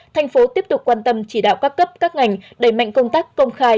thành phố tiếp tục quan tâm chỉ đạo các cấp các ngành đẩy mạnh công tác công khai